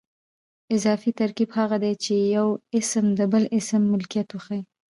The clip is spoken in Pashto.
اضافي ترکیب هغه دئ، چي یو اسم د بل اسم ملکیت وښیي.